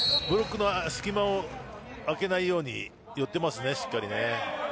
ブロックの隙間を空けないように寄っていますね、しっかり。